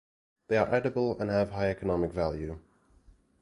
They are edible and have high economic value.